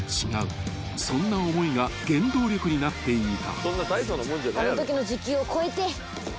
［そんな思いが原動力になっていた］